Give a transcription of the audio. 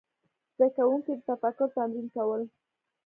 زده کوونکي د تفکر تمرین کول.